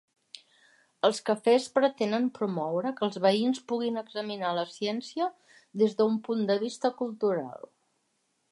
Els Cafès pretenen promoure que els veïns puguin examinar la ciència des d'un punt de vista cultural.